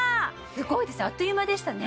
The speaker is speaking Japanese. すごいですねあっという間でしたね